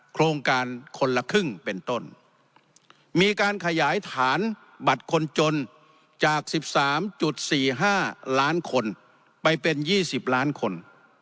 โครงการคนละครึ่งเป็นต้นมีการขยายฐานบัตรคนจนจากสิบสามจุดสี่ห้าล้านคนไปเป็นยี่สิบล้านคน